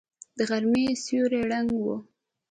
د غرمې سيوری ړنګ و.